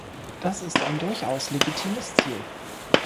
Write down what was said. Das ist ein durchaus legitimes Ziel.